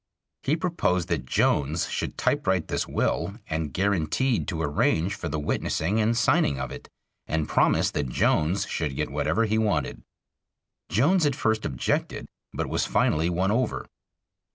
He proposed that Jones should typewrite this will, and guaranteed to arrange for the witnessing and signing of it, and promised that Jones should get whatever he wanted. Jones at first objected, but was finally won over.